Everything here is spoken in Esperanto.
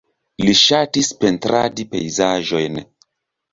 Li ŝatis pentradi pejzaĝojn.